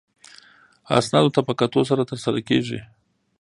اسنادو ته په کتو سره ترسره کیږي.